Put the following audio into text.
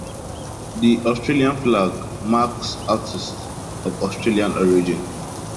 The Australian flag marks artists of Australian origin.